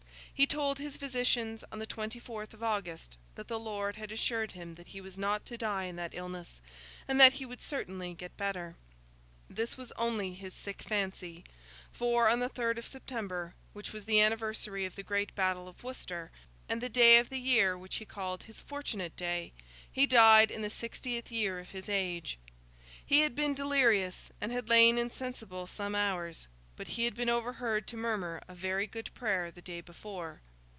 He told his physicians on the twenty fourth of August that the Lord had assured him that he was not to die in that illness, and that he would certainly get better. This was only his sick fancy, for on the third of September, which was the anniversary of the great battle of Worcester, and the day of the year which he called his fortunate day, he died, in the sixtieth year of his age. He had been delirious, and had lain insensible some hours, but he had been overheard to murmur a very good prayer the day before.